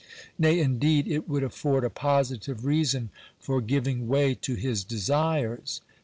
Nay, indeed, it would afford a positive reason for giving way to his desires.